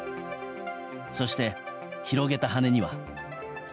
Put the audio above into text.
そして、広げた羽には。